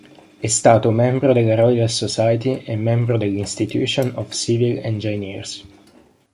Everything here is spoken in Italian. È stato membro della Royal Society e membro dell'Institution of Civil Engineers.